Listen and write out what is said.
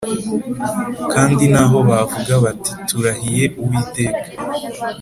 Kandi naho bavuga bati Turahiye Uwiteka